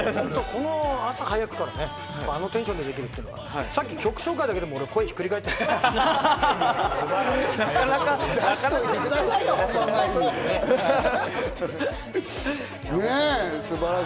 この朝早くから、あのテンションでできるっていうのはね、曲紹介だけでも俺、声ひっくり返ってましたから。